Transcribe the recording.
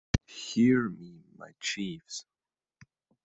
Hear me, my chiefs!